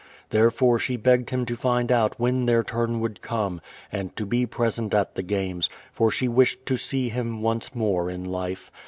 Therefore, she begged him to find out when their turn would come, and to be present at the games, for she wished to see him once more in life.